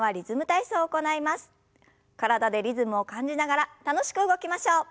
体でリズムを感じながら楽しく動きましょう。